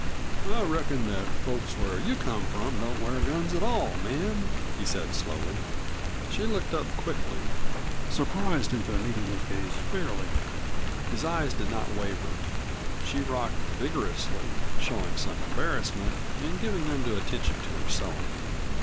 "I reckon that folks where you come from don't wear guns at all, ma'am," he said slowly. She looked up quickly, surprised into meeting his gaze fairly. His eyes did not waver. She rocked vigorously, showing some embarrassment and giving undue attention to her sewing.